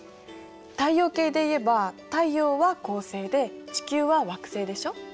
太陽系でいえば太陽は恒星で地球は惑星でしょ。